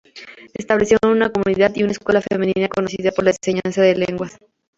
Establecieron una comunidad y una escuela femenina conocida por la enseñanza de las lenguas.